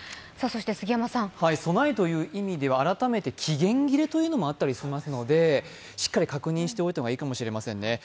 備えという意味では改めて期限切れというのもあったりしますので、しっかり確認しておいた方がいいかもしれません。